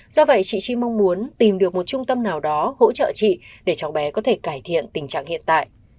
do vậy chị chi mong muốn tìm được một trung tâm nào đó hỗ trợ chị để cháu bé có thể cải thiện tình trạng hiện tại